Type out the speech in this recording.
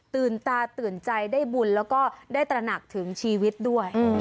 ตาตื่นใจได้บุญแล้วก็ได้ตระหนักถึงชีวิตด้วย